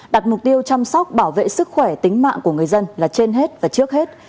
đặt mục tiêu chăm sóc bảo vệ sức khỏe tính mạng của người dân là trên hết và trước hết